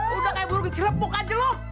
lu mau mencerepuk aja lu